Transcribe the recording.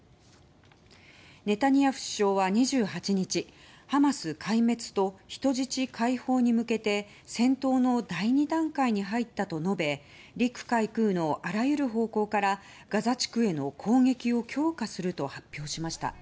ネタニヤフ首相は２８日ハマス壊滅と人質解放に向けて戦闘の第２段階に入ったと述べ陸海空のあらゆる方向からガザ地区への攻撃を強化すると発表しました。